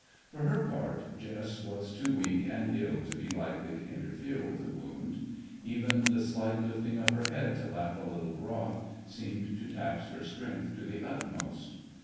For her part, Jess was too weak and ill to be likely to interfere with the wound; even the slight lifting of her head to lap a little broth seemed to tax her strength to the utmost.